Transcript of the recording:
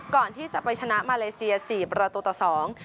ก่อนที่จะไปชนะมาเลเซียสี่ประตูต่อสอง